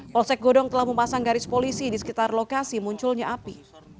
polsek godong telah memasang garis polisi di sekitar lokasi munculnya api